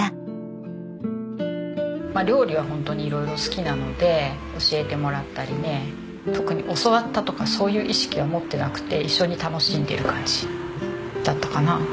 料理はホントに色々好きなので教えてもらったりね特に教わったとかそういう意識は持ってなくて一緒に楽しんでる感じだったかなっていう。